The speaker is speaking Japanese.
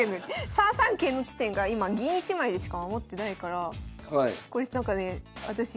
３三桂の地点が今銀１枚でしか守ってないからこれなんかね私飛車と。